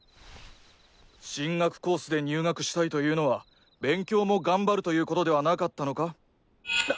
進学コースで入学したいというのは勉強も頑張るということではなかったのか？